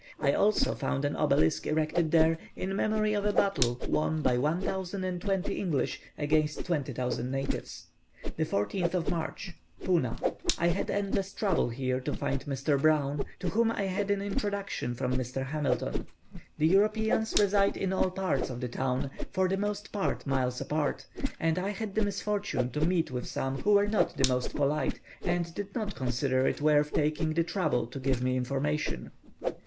I also found an obelisk erected there in memory of a battle won by 1,200 English against 20,000 natives. 14th March. Puna. I had endless trouble here to find Mr. Brown, to whom I had an introduction from Mr. Hamilton. The Europeans reside in all parts of the town, for the most part miles apart, and I had the misfortune to meet with some who were not the most polite, and did not consider it worth taking the trouble to give me information.